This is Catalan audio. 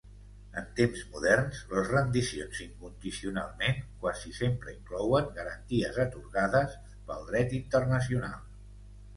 En temps moderns, les rendicions incondicionalment quasi sempre inclouen garanties atorgades pel dret internacional.